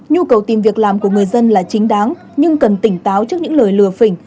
nhu cầu tìm việc làm của người dân là chính đáng nhưng cần tỉnh táo trước những lời lừa phỉnh